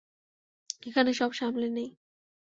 এখানে সব সামলে নেই।